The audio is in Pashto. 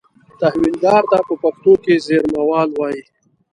تحویلدار ته په پښتو کې زېرمهوال وایي.